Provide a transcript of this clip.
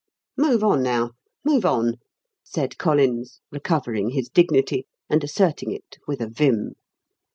"Move on, now, move on!" said Collins, recovering his dignity, and asserting it with a vim.